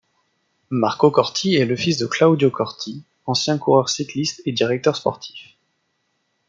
Marco Corti est le fils de Claudio Corti ancien coureur cycliste et directeur sportif.